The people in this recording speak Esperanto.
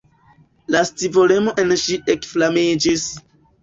La scivolemo en ŝi ekflamiĝis!